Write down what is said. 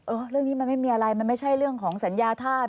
เรื่องนี้มันไม่มีอะไรมันไม่ใช่เรื่องของสัญญาธาตุ